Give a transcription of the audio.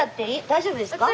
大丈夫ですか？